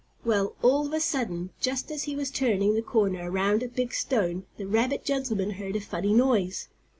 Well, all of a sudden, just as he was turning the corner around a big stone, the rabbit gentleman heard a funny noise.